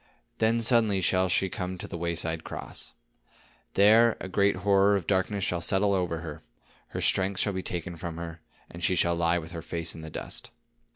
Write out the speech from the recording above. Then suddenly shall she come to the wayside cross. There a great horror of darkness shall settle over her, her strength shall be taken from her, and she shall lie with her face in the dust.